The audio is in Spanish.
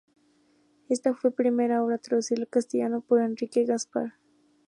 Esta fue su primera obra traducida al castellano, por Enrique Gaspar.